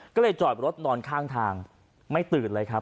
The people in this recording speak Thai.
ก็เลยจอดรถนอนข้างทางไม่ตื่นเลยครับ